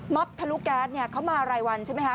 ม็อบทะลุแก๊สเขามารายวันใช่ไหมฮะ